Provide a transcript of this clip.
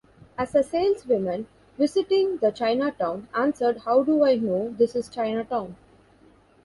As a saleswoman visiting the Chinatown answered How do I know this is Chinatown?